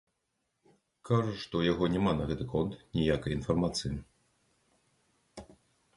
Кажа, што ў яго няма на гэты конт ніякай інфармацыі.